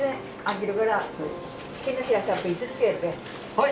はい。